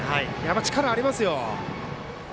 力ありますよ。